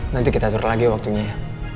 nanti kita atur lagi waktunya ya